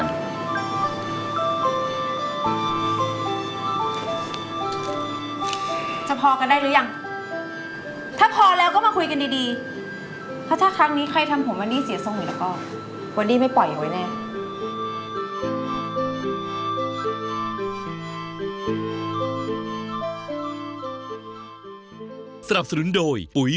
เลยเลยเลยเฮ้ยนี่นี่ก็ปากซะอย่างนี้แกแล้วมันจะจบกันได้ไหมเนี่ย